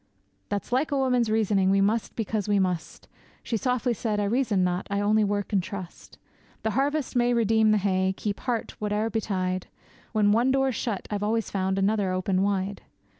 'That's like a woman's reasoning, we must because we must!' She softly said, 'I reason not, I only work and trust; The harvest may redeem the hay, keep heart whate'er betide; When one door's shut I've always found another open wide.